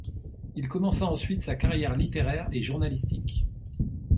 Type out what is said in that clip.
Il commença ensuite sa carrière littéraire et journalistique.